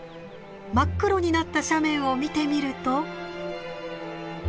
真っ黒になった斜面を見てみると。